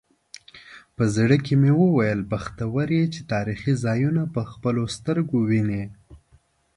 په زړه کې مې وویل بختور یې چې تاریخي ځایونه په خپلو سترګو وینې.